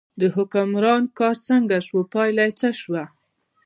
د حکمران کار څنګه شو، پایله یې څه شوه.